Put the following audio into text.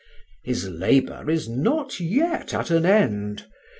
"His labour is not yet at an end.